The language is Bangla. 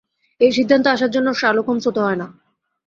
এই সিদ্ধান্তে আসার জন্যে শার্লক হোমস হতে হয় না।